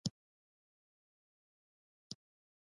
شربت د خولې خوږوالی دی